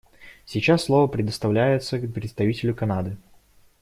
Сейчас слово предоставляется представителю Канады.